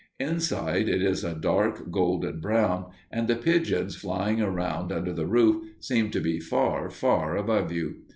Inside, it is a dark golden brown, and the pigeons flying around under the roof seem to be far, far above you.